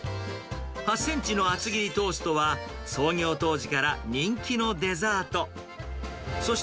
８センチの厚切りトーストは、創業当時から人気のデザート。